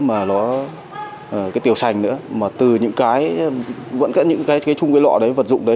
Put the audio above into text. mà nó cái tiểu sành nữa mà từ những cái vẫn cận những cái chung cái lọ đấy vật dụng đấy